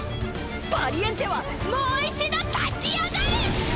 バリエンテはもう一度立ち上がる！